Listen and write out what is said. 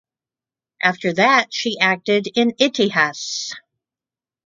After that she acted in "Itihas".